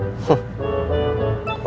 sok berharap sama dia